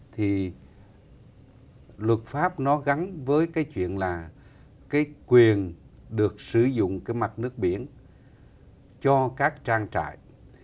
thì luật pháp nó gắn với cái chuyện là cái quyền được sử dụng cái mặt nước biển cho các trang trại